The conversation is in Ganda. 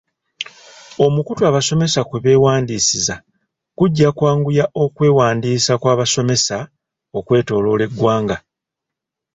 Omukutu abasomesa kwe beewandiisiza gujja kwanguya okwewandiisa kw'abasomesa okwetooloola eggwanga.